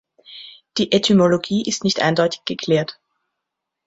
Die Etymologie ist nicht eindeutig geklärt.